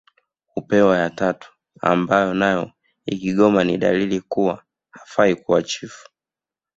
Hupewa ya tatu ambayo nayo ikigoma ni dalili kuwa hafai kuwa chifu